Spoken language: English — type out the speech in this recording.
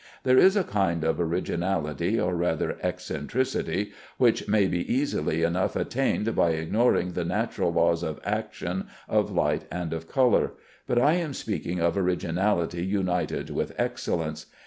There is a kind of originality, or rather eccentricity, which may be easily enough attained by ignoring the natural laws of action, of light, and of color; but I am speaking of originality united with excellence.